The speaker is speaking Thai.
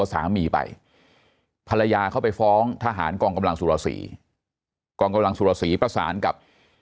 สีประสานกับ